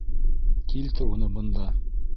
— Килтер уны бында!